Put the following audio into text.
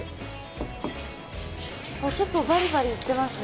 あっ結構バリバリいってますね。